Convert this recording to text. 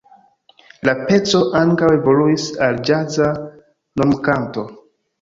La peco ankaŭ evoluis al ĵaza normkanto.